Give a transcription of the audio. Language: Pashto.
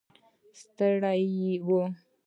ستړي و.